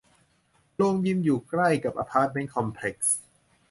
โรงยิมอยู่ใกล้กับอพาร์ตเมนต์คอมเพล็กซ์